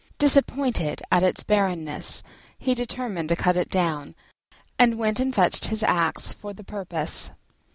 Disappointed at its barrenness he determined to cut it down, and went and fetched his axe for the purpose.